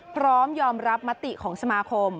พร้อมยอมรับมติของสมาคม